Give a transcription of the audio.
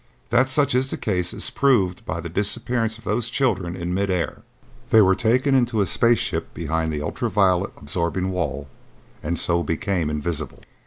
That such is the case is proved by the disappearance of those children in mid air. They were taken into a space ship behind an ultra violet absorbing wall and so became invisible."